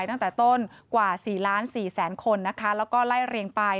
ตั้งแต่ต้นกว่า๔ล้าน๔แสนคนนะคะแล้วก็ไล่เรียงไป